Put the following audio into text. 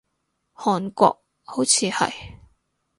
韓國，好似係